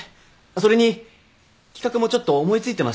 それに企画もちょっと思い付いてますし。